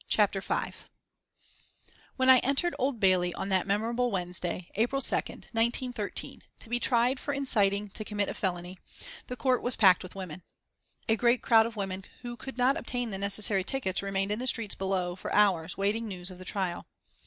CHAPTER V When I entered Old Bailey on that memorable Wednesday, April 2nd, 1913, to be tried for inciting to commit a felony, the court was packed with women. A great crowd of women who could not obtain the necessary tickets remained in the streets below for hours waiting news of the trial.